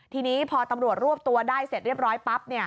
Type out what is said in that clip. ทีนี้พอตำรวจรวบตัวได้เสร็จเรียบร้อยปั๊บ